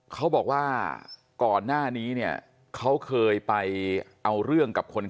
เขาบอกว่าก่อนหน้านี้เขาเคยไปเอาเรื่องกับความเกินหัว